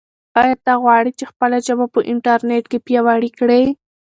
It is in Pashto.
آیا ته غواړې چې خپله ژبه په انټرنیټ کې پیاوړې کړې؟